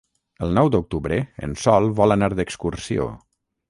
El nou d'octubre en Sol vol anar d'excursió.